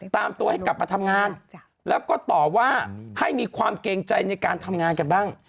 ตามตัวให้กลับมาทำงานแล้วก็ต่อว่าให้มีความเกรงใจในการทำงานกันบ้าง